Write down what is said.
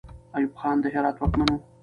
ایوب خان د هرات واکمن وو.